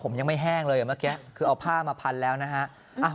ผมยังไม่แห้งเลยเมื่อกี้คือเอาผ้ามาพันแล้วนะฮะ